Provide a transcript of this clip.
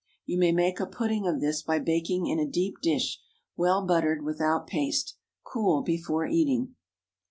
You may make a pudding of this by baking in a deep dish—well buttered, without paste. Cool before eating.